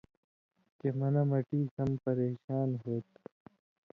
چے منہ مٹی سم پریشان ہو تھی